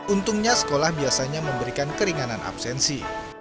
untungnya sekolah biasanya memberikan keringanan absensi